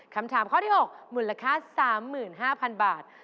คำถามข้อที่๖มูลค่า๓๕๐๐๐บาท